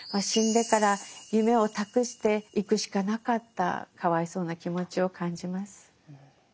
死んでから夢を託していくしかなかったかわいそうな気持ちを感じます。